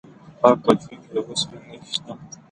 د فراه په جوین کې د وسپنې نښې شته.